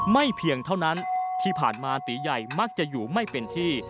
เพียงเท่านั้นที่ผ่านมาตีใหญ่มักจะอยู่ไม่เป็นที่